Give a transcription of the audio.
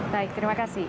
baik terima kasih